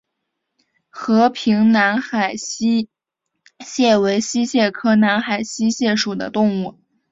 和平南海溪蟹为溪蟹科南海溪蟹属的动物。